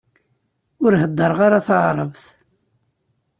Ur heddreɣ ara taɛrabt.